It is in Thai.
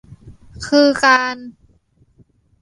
คือการ